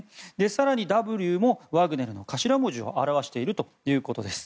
更に「Ｗ」もワグネルの頭文字を表しているということです。